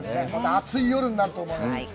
熱い夜になると思います。